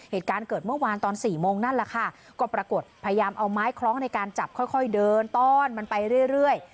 เหตุการณ์เกิดเมื่อวานตอน๔โมงนั่นแหละค่ะก็ปรากฏพยายามเอาไม้คล้องในการจับค่อยเดินต้อนมันไปเรื่อย